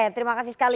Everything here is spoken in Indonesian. terima kasih sekali